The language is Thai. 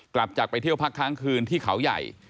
กลับจากไปเที่ยวพักค้างคืนที่เขาใหญ่